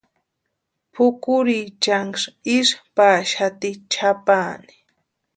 Pʼukurhiichanksï isï paxati chʼapaani.